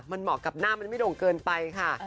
มันเหมาะกับหน้ามันไม่โด่งเกินไปค่ะ